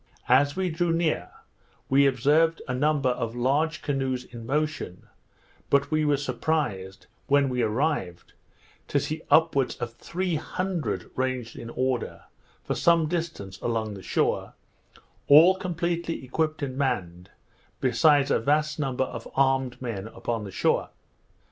As we drew near, we observed a number of large canoes in motion; but we were surprised, when we arrived, to see upwards of three hundred ranged in order, for some distance, along the shore, all completely equipped and manned, besides a vast number of armed men upon the shore.